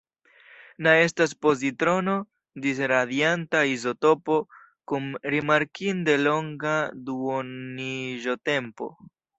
Na estas pozitrono-disradianta izotopo kun rimarkinde longa duoniĝotempo.